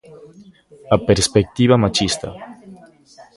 A perspectiva machista.